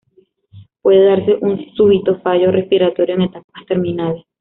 Puede darse un súbito fallo respiratorio en etapas terminales.